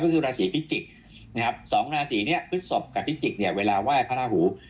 ก็คือราศรีพิจิกสองราศรีพฤศพกับพิจิกเวลาไหว้พระราหู